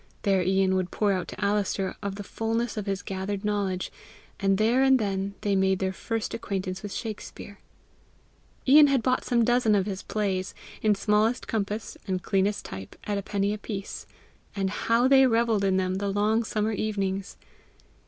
There Ian would pour out to Alister of the fullness of his gathered knowledge, and there and then they made their first acquaintance with Shakspere. Ian had bought some dozen of his plays, in smallest compass and cleanest type, at a penny a piece, and how they revelled in them the long summer evenings!